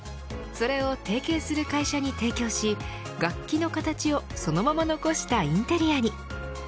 それを提携する会社に提供し楽器の形をそのまま残したインテリアに。